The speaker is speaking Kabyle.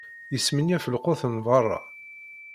Yesmenyaf lqut n berra.